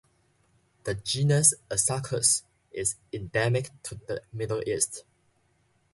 The genus "Asaccus" is endemic to the Middle East.